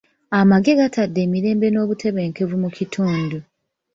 Amagye gaatadde emirembe n'obutebenkevu mu kitundu.